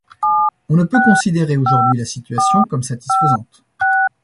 On ne peut considérer aujourd’hui la situation comme satisfaisante.